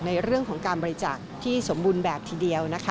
ในเรื่องของการบริจาคที่สมบูรณ์แบบทีเดียวนะคะ